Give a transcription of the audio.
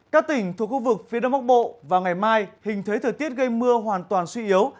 các tỉnh thuộc khu vực phía đông bắc bộ vào ngày mai hình thế thời tiết gây mưa hoàn toàn suy yếu